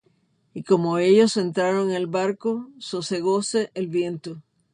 Y como ellos entraron en el barco, sosegóse el viento.